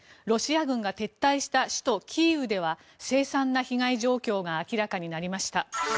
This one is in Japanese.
ロシア軍が撤退した首都キーウではせい惨な被害状況が明らかになりました。